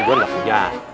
satu gue gak punya